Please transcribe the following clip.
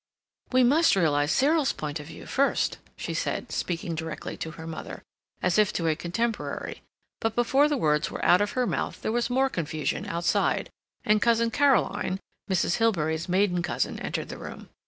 "We must realize Cyril's point of view first," she said, speaking directly to her mother, as if to a contemporary, but before the words were out of her mouth, there was more confusion outside, and Cousin Caroline, Mrs. Hilbery's maiden cousin, entered the room.